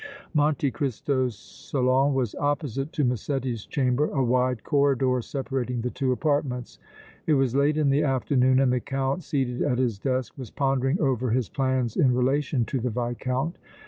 Monte Cristo's salon was opposite to Massetti's chamber, a wide corridor separating the two apartments. It was late in the afternoon and the Count, seated at his desk, was pondering over his plans in relation to the Viscount.